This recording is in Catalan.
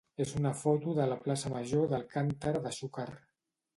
és una foto de la plaça major d'Alcàntera de Xúquer.